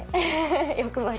欲張り！